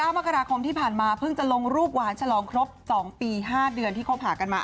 มกราคมที่ผ่านมาเพิ่งจะลงรูปหวานฉลองครบ๒ปี๕เดือนที่คบหากันมา